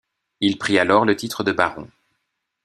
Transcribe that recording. Il prit alors le titre de baron.